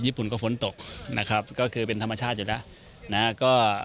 ญี่ปุ่นก็ฝนตกนะครับก็คือเป็นธรรมชาติอยู่แล้วนะฮะ